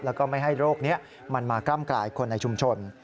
แล้วก็ไม่ให้โรคนี้มันมากล้ำกลายคนในชุมชน